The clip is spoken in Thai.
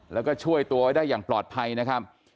แล้วก็ช่วยตัวไว้ได้อย่างปลอดภัยนะครับ